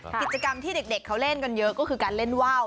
กิจกรรมที่เด็กเขาเล่นกันเยอะก็คือการเล่นว่าว